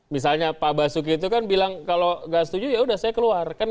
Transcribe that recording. misalnya pak basuki itu kan bilang kalau tidak setuju ya sudah saya keluarkan